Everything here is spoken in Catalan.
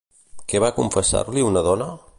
Què va confessar-li una dona?